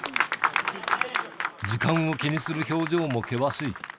時間を気にする表情も険しい。